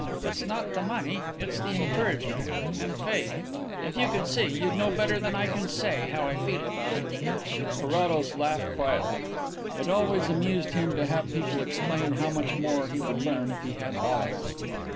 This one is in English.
It's not the money, it's the encouragement ... and faith. If you could see you'd know better than I can say how I feel about it." Carrados laughed quietly. It always amused him to have people explain how much more he would learn if he had eyes.